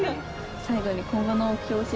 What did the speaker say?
最後に。